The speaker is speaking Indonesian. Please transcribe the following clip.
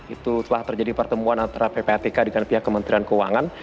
itu telah terjadi pertemuan antara ppatk dengan pihak kementerian keuangan